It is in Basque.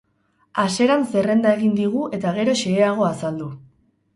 Haseran zerrenda egin digu eta gero xeheago azaldu.